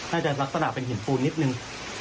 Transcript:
อาจจะรักษณะเป็นหินฟูลนิดนึง